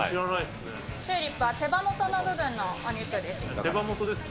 チューリップは手羽元の部分手羽元ですか？